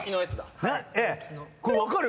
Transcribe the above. これ分かる？